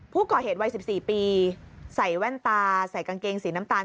ผู้ก่อเหตุวัย๑๔ปีใส่แว่นตาใส่กางเกงสีน้ำตาล